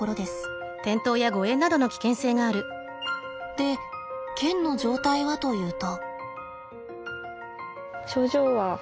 で腱の状態はというと。